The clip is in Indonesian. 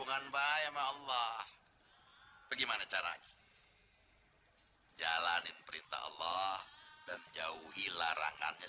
hubungan bahaya mauloh bagaimana caranya hai jalanin perintah allah dan jauhi larangannya